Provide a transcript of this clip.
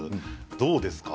どうですか？